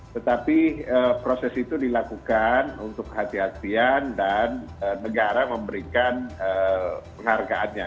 tetapi proses itu dilakukan untuk hati hatian dan negara memberikan penghargaannya